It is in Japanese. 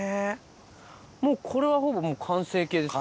もうこれはほぼ完成形ですか？